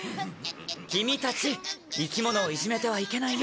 キミたち生き物をいじめてはいけないよ。